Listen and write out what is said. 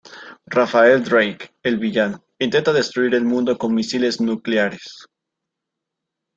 Raphael Drake: El villano, intenta destruir el mundo con misiles nucleares.